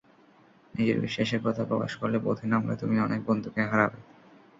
নিজের বিশ্বাসের কথা প্রকাশ করলে, পথে নামলে তুমি অনেক বন্ধুকে হারাবে।